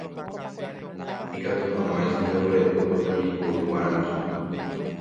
Ikatu hag̃uáicha jaguereko ko tembiporu guaraníme